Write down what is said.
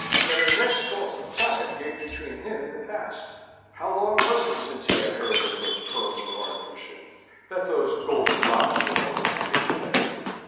An immense gulf of time gaped between him and the past. How long was it since he had heard that those pearls were artificial, that those golden locks were only pinchbeck?